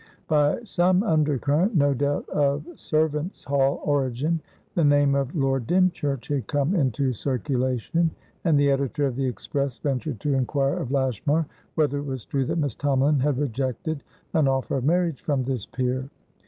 By some undercurrent, no doubt of servant's hall origin, the name of Lord Dymchurch had come into circulation, and the editor of the Express ventured to inquire of Lashmar whether it was true that Miss Tomalin had rejected an offer of marriage from this peer.